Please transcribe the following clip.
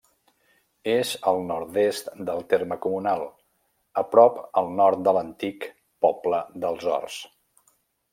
És al nord-est del terme comunal, a prop al nord de l'antic poble dels Horts.